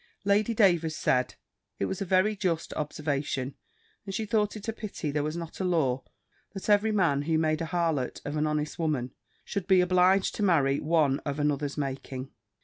Lady Davers said, it was a very just observation: and she thought it a pity there was not a law, that every man who made a harlot of an honest woman, should be obliged to marry one of another's making.